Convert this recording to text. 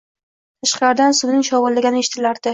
Tashqaridan suvning shovullagani eshitilardi.